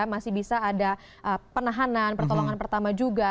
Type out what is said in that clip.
masih bisa ada penahanan pertolongan pertama juga